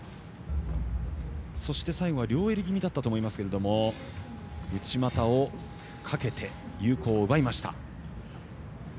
そして最後は両襟気味だったと思いますけれども内股をかけて有効を奪いました。